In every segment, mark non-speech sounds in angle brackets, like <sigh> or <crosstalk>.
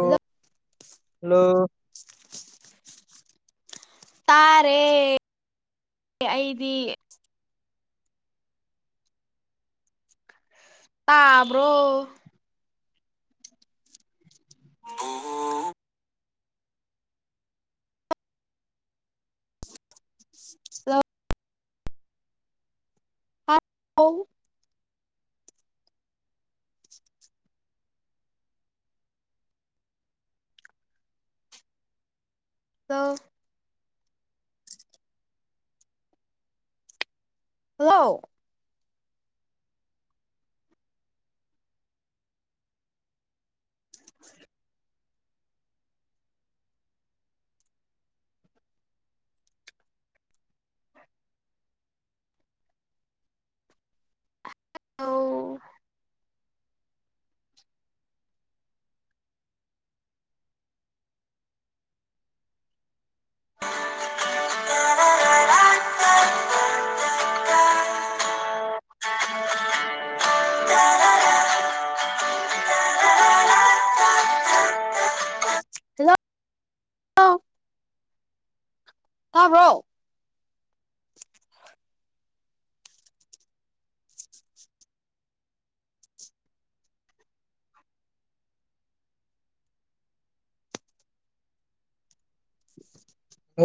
hello hello ꯇꯥꯔꯦ ꯑꯩꯗꯤ ꯇꯥꯕ꯭ꯔꯣ ꯎ <unintelligible> ꯆꯥꯎ <inaudible> ꯑ ꯇ ꯍꯜꯂꯣ ꯑꯣ ꯇꯔꯔꯥ <unintelligible> <unintelligible> <unintelligible> <unintelligible> ꯍꯜꯂꯣ ꯍꯂꯣ ꯇꯥꯕ꯭ꯔꯣ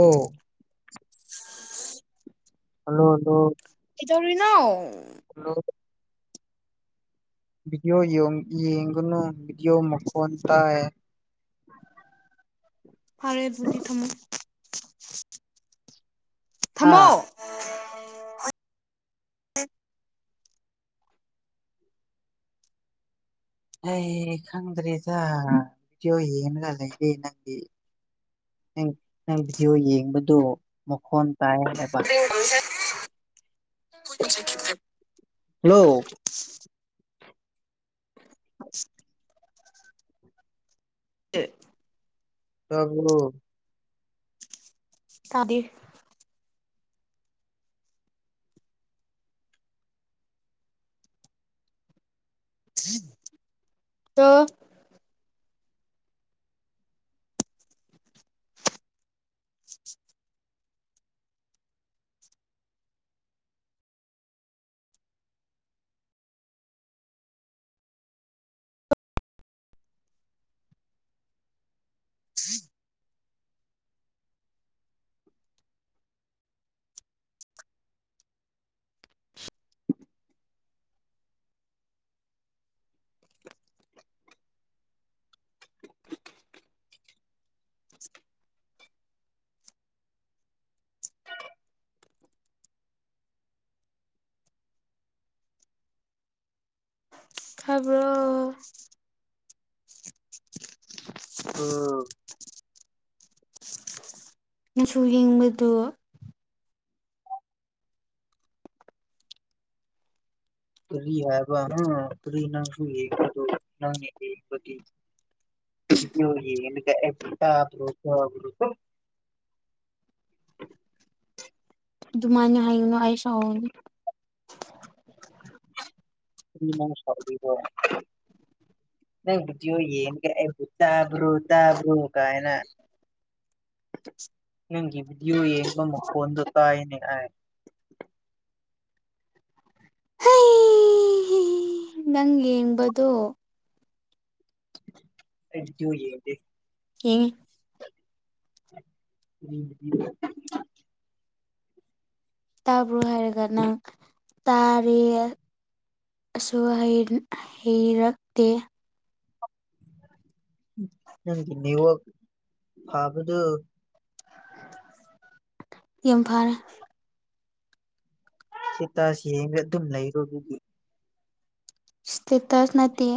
ꯑꯣ ꯍꯜꯂꯣ ꯍꯜꯂꯣ ꯀꯩꯗꯧꯔꯤꯅꯣ ꯍꯜꯂꯣ ꯙꯤꯗꯤꯌꯣ ꯌꯦꯡꯒꯅꯨ ꯙꯤꯗꯤꯌꯣ ꯃꯈꯣꯟ ꯇꯥꯏꯌꯦ <unintelligible> ꯐꯔꯦꯗꯨꯗꯤ ꯊꯝꯃꯣ ꯍꯥ ꯊꯝꯃꯣ ꯑꯩ ꯈꯪꯗ꯭ꯔꯦꯗ ꯕꯤꯗꯤꯑꯣ ꯌꯦꯡꯒ ꯂꯩꯔꯦ ꯅꯪꯗꯤ ꯅꯪ ꯚꯤꯗꯤꯑꯣ ꯌꯦꯡꯕꯗꯣ ꯃꯈꯣꯟ ꯇꯥꯏꯌꯦ ꯍꯥꯏꯕ ꯈꯤ <unintelligible> ꯍꯜꯂꯣ ꯍ <unintelligible> ꯇꯥꯕꯔꯣ ꯇꯥꯌꯦ ꯇꯧꯔꯣ <unintelligible> ꯇꯥꯕ꯭ꯔꯣ ꯑꯥ ꯅꯪꯁꯨ ꯌꯦꯡꯕꯗꯣ ꯀꯔꯤ ꯍꯥꯏꯕ ꯎꯝ ꯀꯔꯤ ꯅꯪꯁꯨ ꯌꯦꯡꯕꯗꯣ ꯅꯪꯅꯦ ꯌꯦꯡꯕꯗꯤ ꯀ ꯑꯦꯛꯁꯇ꯭ꯔꯥ <unintelligible> <inaudible> ꯑꯗꯨꯃꯅ ꯍꯥꯏꯅ ꯑꯁ ꯍꯅꯤ ꯁꯔꯕꯤꯕ ꯅꯪ ꯕꯨꯗꯤ ꯌꯦꯅꯤ ꯀꯕꯨ ꯇꯥꯕ꯭ꯔꯣ ꯇꯥꯕ꯭ꯔꯣ ꯀꯥꯏꯅ ꯒꯤꯌꯑꯣ ꯌꯦꯗ ꯐꯗ ꯇꯥꯏꯅꯦ ꯍꯥꯏ <inaudible> ꯍ ꯅꯪ ꯌꯦꯡꯕꯗꯣ ꯑꯩ ꯕꯤꯗꯤꯑꯣ ꯌꯦꯡꯗꯦ ꯏꯪ ꯎꯝ ꯇꯥꯕ꯭ꯔꯣ ꯍꯥꯏꯔꯒ ꯅꯪ ꯇꯥꯔꯦꯁꯨ ꯍꯩꯔꯛꯇꯦ ꯅꯪꯒꯤ ꯅꯋ ꯐꯥꯕꯗꯨ ꯏꯝꯐꯥꯜ ꯁꯤ ꯇꯁꯤ ꯌꯦꯡꯒꯦ ꯑꯗꯨꯝ ꯂꯩꯔꯨꯕꯗꯤ ꯏꯁꯇꯦꯇꯁ ꯅꯠꯇꯦ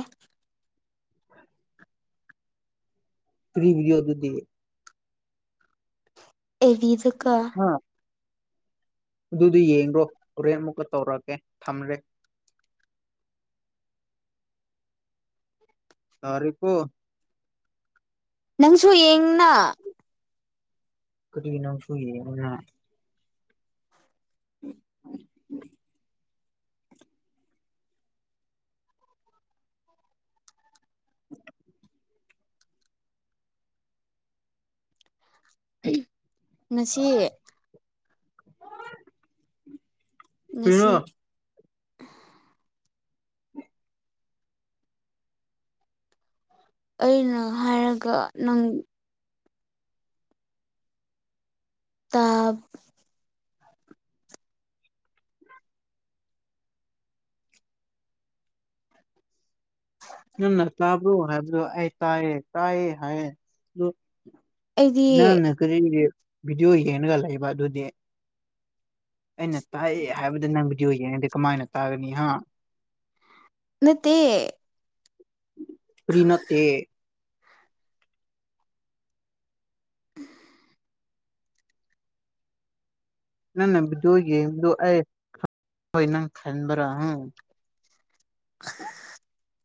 ꯐ꯭ꯔꯤꯗꯤꯑꯣ ꯑꯗꯨꯗꯤ ꯑꯦꯕꯤꯗꯨꯀ ꯑꯗꯨꯗꯨ ꯌꯦꯡꯣ ꯍꯣꯔꯦꯟ ꯑꯃꯨꯛꯀ ꯇꯧꯔꯛꯀꯦ ꯊꯝꯂꯦ ꯇꯥꯔꯦꯀꯣ ꯅꯪꯁꯨ ꯌꯦꯡꯅ ꯀꯔꯤꯅꯝꯁꯨꯨꯏꯌꯦ ꯎ <unintelligible> <inaudible> ꯉꯁꯤ ꯄꯤꯔ ꯉꯁꯤ ꯑꯩꯅ ꯍꯥꯏꯔꯒ ꯅꯪ ꯇꯥꯞ ꯅꯪ ꯅ ꯇꯥꯕ꯭ꯔꯣ ꯍꯥꯏꯕ꯭ꯔꯣ ꯑꯩ ꯇꯥꯏꯌꯦ ꯇꯥꯏꯌꯦ ꯍꯥꯏꯌꯦ ꯑꯗꯨ ꯅꯪꯅ ꯀꯔꯤ ꯚꯤꯗꯤꯑꯣ ꯌꯦꯡꯒ ꯂꯩꯕ ꯑꯗꯨꯗꯤ ꯑꯩꯅ ꯇꯥꯏꯑ ꯍꯥꯏꯕꯗ ꯅꯪ ꯕꯤꯗꯤꯑꯣ ꯌꯦꯡꯉꯗꯗꯤ ꯀꯃꯥꯏꯅ ꯇꯥꯒꯅꯤ ꯍꯥ ꯅꯠꯇꯦ ꯄ꯭ꯔꯤ ꯅꯠꯇꯦ <unintelligible> ꯅ ꯅꯥꯏ ꯃꯔꯔ <inaudible>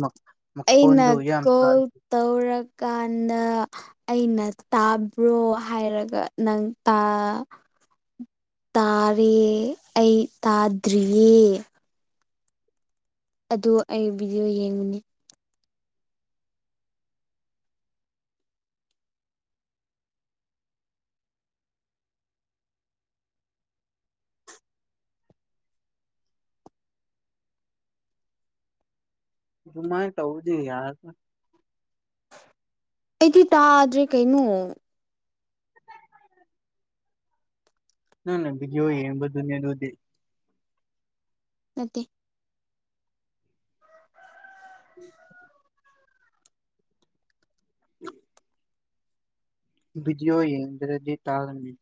ꯃ ꯑꯩꯅ ꯀꯣꯜ ꯇꯧꯔꯛ ꯀꯥꯟꯗ ꯑꯩꯅ ꯇꯥꯕ꯭ꯔꯣ ꯍꯥꯏꯔꯒ ꯅꯪ ꯇꯥꯔꯦ ꯑꯩ ꯇꯥꯗ꯭ꯔꯤꯌꯦ ꯑꯗꯨ ꯑꯩ ꯚꯤꯗꯤꯑꯣ ꯌꯦꯡꯉꯨꯅꯤ ꯨꯃꯥꯏ ꯇꯧꯗꯤ ꯌꯥꯔ ꯑꯩꯗꯤ ꯇꯥꯗ꯭ꯔꯦ ꯀꯩꯅꯣ ꯅꯪꯅ ꯕꯤꯗꯤꯌꯣ ꯌꯦꯡꯕꯗꯨꯅꯦ ꯑꯗꯨꯗꯤ ꯅꯠꯇꯦ ꯕꯤꯖꯤꯑꯣ ꯏꯟꯗ꯭ꯔꯖꯤ ꯇꯥꯔꯅꯤ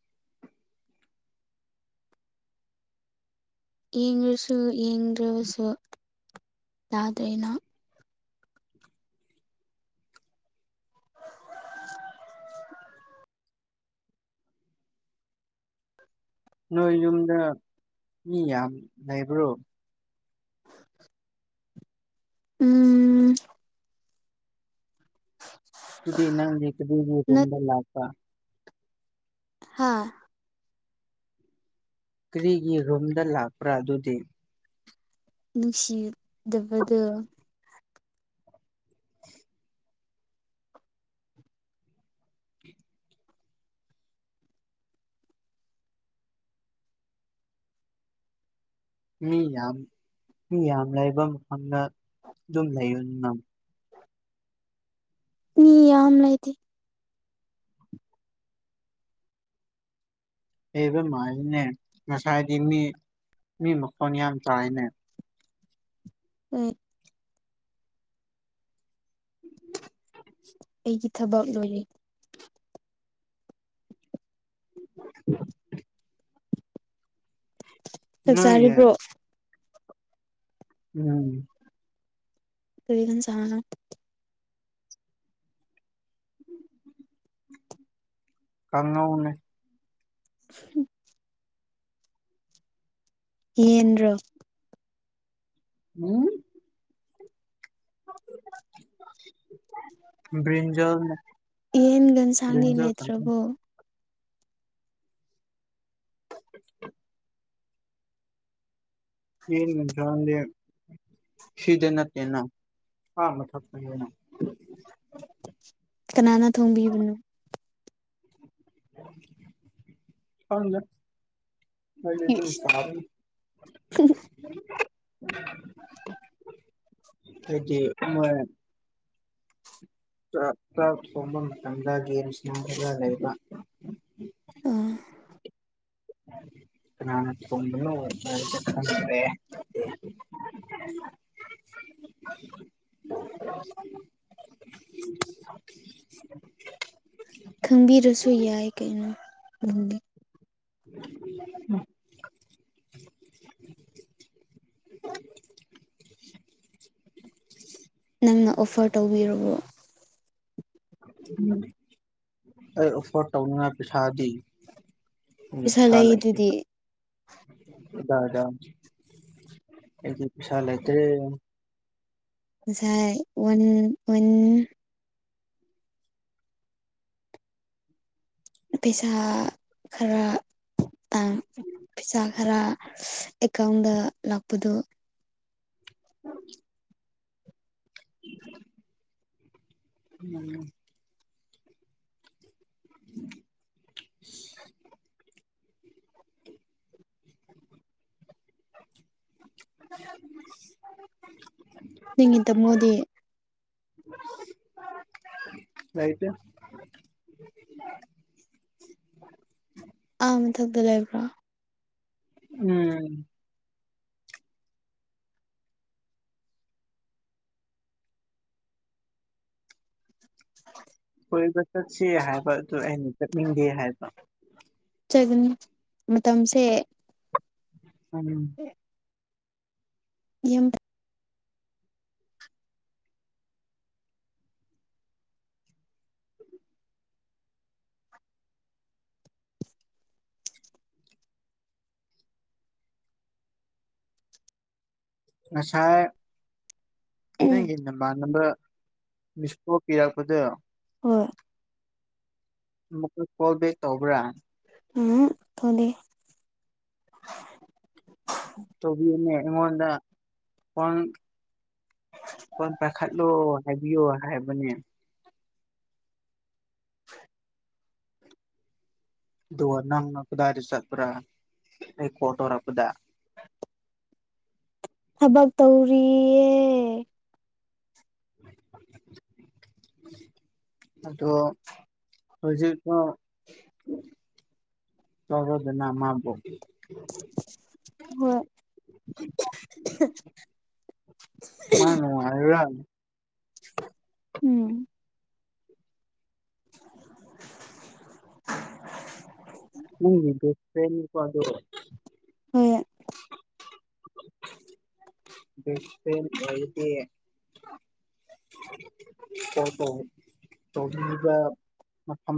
ꯌꯦꯡꯁꯨ ꯌꯦꯡꯗ꯭ꯔꯕꯁꯨ ꯌꯥꯗ꯭ꯔꯦꯅ ꯅꯣꯏ ꯌꯨꯝꯗ ꯃꯤ ꯌꯥꯝ ꯂꯩꯕ꯭ꯔꯣ ꯎꯝ ꯏ ꯅ ꯀ ꯅꯠ ꯁꯗꯔ ꯂꯥꯛꯇꯥ ꯍꯥꯥ ꯀꯔꯤꯒꯤ ꯔꯨꯝꯗ ꯂꯥꯛꯄ꯭ꯔꯥ ꯑꯗꯨꯗꯤ ꯅꯨꯡꯁꯤꯗꯕꯗ ꯃꯤ ꯌꯥꯝ ꯃꯤ ꯌꯥꯝ ꯂꯩꯕ ꯃꯐꯝꯗ ꯑꯗꯨꯝ ꯂꯩꯌꯨ ꯅ ꯅ ꯌꯥꯝꯂꯥꯏꯗꯤ ꯍꯩꯕ ꯃꯥꯔꯤꯅꯦ ꯉꯁꯥꯏꯗꯤ ꯃꯤ ꯃꯤ ꯃꯈꯣꯟ ꯌꯥꯝ ꯇꯥꯏꯅꯦ ꯎ ꯑꯩꯒꯤ ꯊꯕꯛ ꯂꯣꯏꯔꯦ <unintelligible> ꯅꯣꯏꯒꯤ ꯆꯥꯛꯆꯔꯤꯕ꯭ꯔꯣ ꯎꯝ ꯀꯒꯟ ꯁꯅ ꯎꯝ ꯀꯪꯉ ꯎꯟꯅꯦ ꯎꯝ ꯏ ꯎꯝ <unintelligible> ꯌꯦꯟꯒ ꯏꯟꯁꯥꯡꯗꯤ ꯭ꯔꯤꯟꯖꯜꯔꯤꯖ ꯂꯩꯇ꯭ꯔꯕꯣ ꯌꯦꯖꯦ ꯁꯤꯗ ꯅ ꯂꯩꯅ ꯑꯥ ꯃꯊꯅ ꯀꯅꯥꯅ ꯊꯣꯡꯕꯤ ꯃꯅꯣ ꯍꯖ ꯃꯩꯅꯁꯨ ꯏꯁ ꯁꯥꯔꯦ ꯑꯩꯗꯤ ꯃꯣꯏ ꯥꯛꯥꯛ ꯊꯣꯡꯕ ꯃꯇꯝꯗ ꯦꯁꯔ ꯂꯩꯕ ꯑꯥ ꯀ ꯄꯨꯅꯔꯦ <unintelligible> <unintelligible> <unintelligible> <unintelligible> ꯈꯪꯕꯤꯔꯁꯨ ꯌꯥꯏ ꯀꯩꯅꯣ ꯅꯪꯅ ꯑꯣꯐꯔ ꯇꯧꯕꯤꯔꯕꯣ ꯑꯩ ꯑꯣꯐꯔ ꯇꯧꯅꯤꯅ ꯄꯩꯁꯥꯗꯤ ꯎꯝ ꯄꯩꯁꯥ ꯂꯩꯗꯨꯗꯤ ꯁꯗꯥꯗꯥ ꯑꯩꯗꯤꯄꯩꯁꯥꯂꯦꯠꯇꯦ ꯉꯁꯥꯏꯟ ꯑꯣꯟ ꯄꯩꯁꯥ ꯈꯔ ꯇꯥꯡ ꯄꯩꯁꯥ ꯈꯔ ꯑꯦꯀꯥꯎꯟꯗ ꯂꯥꯛꯄꯗꯑꯣ ꯑ <unintelligible> ꯎꯝ <unintelligible> <unintelligible> ꯅꯤꯡꯉꯇ ꯃꯣꯗꯤ ꯂꯩꯇꯦ ꯑꯥ ꯃꯊꯛꯇ ꯂꯩꯕ꯭ꯔꯣ ꯎꯝ ꯑꯣꯏꯁ ꯍꯥꯏꯅꯤ ꯆ ꯍꯥꯏ ꯆꯒꯅꯤ ꯃꯇꯝꯁꯦ ꯎ ꯌ ꯁꯥꯏ ꯅ ꯅ ꯅꯝꯕꯔ ꯃꯤꯁꯄꯣ ꯀꯌꯥ ꯀꯗ ꯍꯣꯏ ꯃꯛ ꯀꯣꯜꯕꯦꯛ ꯇꯎꯕ꯭ꯔꯥ ꯎꯝ ꯊꯗ ꯇꯧꯕꯤꯌꯅꯦ ꯑꯩꯉꯣꯟꯗ ꯐꯣꯟ ꯐꯣꯟ ꯄꯥꯈꯠꯂꯣ ꯍꯥꯏꯕꯤꯌꯣ ꯍꯥꯏꯕꯅꯦ ꯍ ꯔꯅꯅ ꯈꯨꯗꯥꯔꯁ ꯄꯨꯔꯥ ꯑꯩ ꯐꯣꯇꯣꯔꯈꯨꯗꯥ ꯊꯕꯛ ꯇꯧꯔꯤꯌꯦ ꯑꯗꯨꯗꯣ ꯍꯧꯣꯏꯖꯤ ꯇꯔꯗꯅ ꯃꯥꯔꯕꯣ ꯑꯣ ꯃꯥ ꯎꯝ <inaudible> ꯎꯪꯁꯦꯅꯤꯀꯣ ꯑꯗ ꯍ ꯁ ꯑꯩꯗꯤ ꯇ ꯇ ꯇ